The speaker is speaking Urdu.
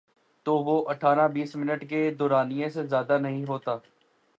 تو وہ اٹھارہ بیس منٹ کے دورانیے سے زیادہ نہیں ہوتا۔